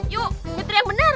yuk mitri yang bener